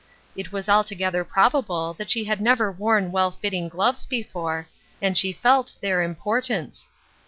It was alto gether probable that she had never worn well ntting gloves before, and she felt their import ance.